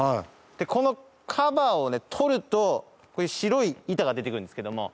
このカバーを取るとこういう白い板が出てくるんですけども。